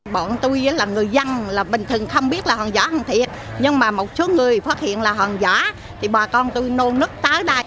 bọn tôi là người dân bình thường không biết là hòn giỏ không thiệt nhưng mà một số người phát hiện là hòn giỏ thì bà con tôi nôn nước tới đây